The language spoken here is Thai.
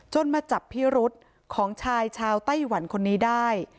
มาจับพิรุษของชายชาวไต้หวันคนนี้ได้